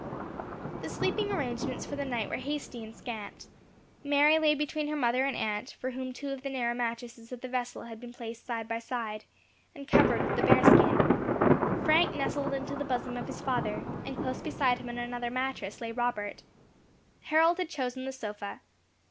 The sleeping arrangements for the night were hasty and scant. Mary lay between her mother and aunt, for whom two of the narrow mattresses of the vessel had been placed side by side, and covered with the bear skin. Frank nestled into the bosom of his father, and close beside him on another mattress lay Robert. Harold had chosen the sofa.